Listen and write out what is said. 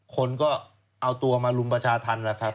คนก็เอาตัวมารุมประชาธรรมแล้วครับ